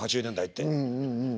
８０年代って。